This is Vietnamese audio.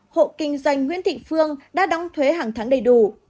hộ kinh doanh nguyễn thị phương đã đóng thuế hàng tháng đầy đủ